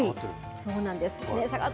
そうなんです。